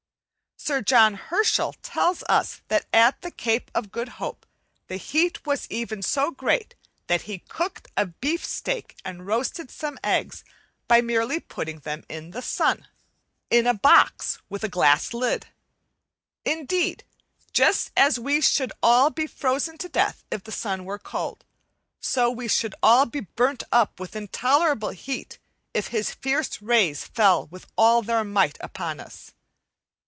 Sir John Herschel tells us that at the Cape of Good Hope the heat was even so great that he cooked a beefsteak and roasted some eggs by merely putting them in the sun, in a box with a glass lid! Indeed, just as we should all be frozen to death if the sun were sold, so we should all be burnt up with intolerable heat if his fierce rays fell with all their might upon us.